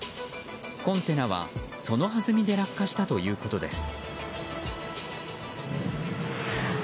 コンテナは、そのはずみで落下したということです。